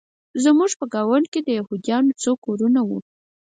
زموږ په ګاونډ کې د یهودانو څو کورونه وو